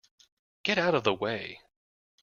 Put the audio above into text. Get out of the way!